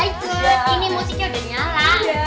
ini musiknya udah nyala